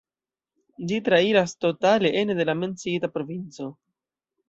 Ĝi trairas totale ene de la menciita provinco.